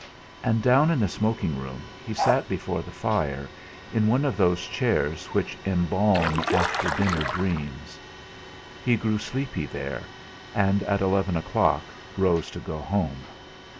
And down in the smoking room he sat before the fire, in one of those chairs which embalm after dinner dreams. He grew sleepy there, and at eleven o'clock rose to go home.